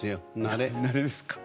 慣れですか。